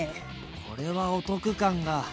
これはお得感が。